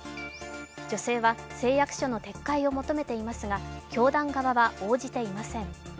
女性は誓約書の撤回を求めていますが教団側は応じていません。